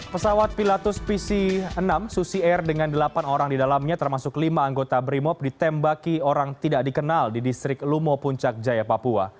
pesawat pilatus pc enam susi air dengan delapan orang di dalamnya termasuk lima anggota brimob ditembaki orang tidak dikenal di distrik lumo puncak jaya papua